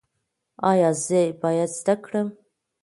ایا زه باید زده کړم؟